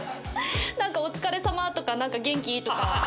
なんか「お疲れさま」とかなんか「元気？」とか。